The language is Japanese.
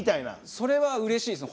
それはうれしいですね。